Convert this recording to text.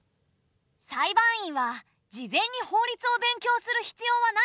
裁判員は事前に法律を勉強する必要はないんだよ。